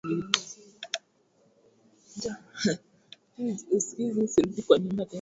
Wanyama wanaweza pia kupata ugonjwa wa mashilingi kwa kujikuna sehemu iliyoambukizwa vijidudu